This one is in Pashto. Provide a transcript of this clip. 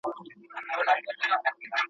چي ډاکټر ورته کتله وارخطا سو